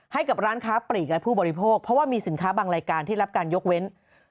ให้กับร้านค้าปลีกและผู้บริโภคเพราะว่ามีสินค้าบางรายการที่รับการยกเว้น